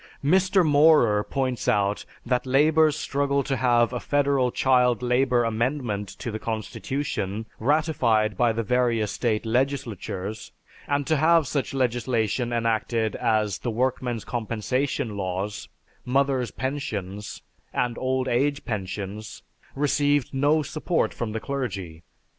Mr. Maurer points out that labor's struggle to have a Federal Child Labor amendment to the Constitution ratified by the various state legislatures, and to have such legislation enacted as the Workmen's Compensation Laws, Mothers' Pensions, and Old Age Pensions, received no support from the clergy.